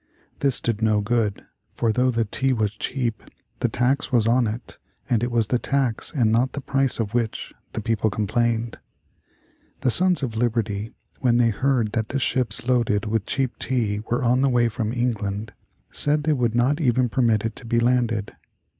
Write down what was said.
This did no good, for though the tea was cheap the tax was on it and it was the tax and not the price of which the people complained. The Sons of Liberty, when they heard that ships loaded with cheap tea were on the way from England, said they would not even permit it to be landed.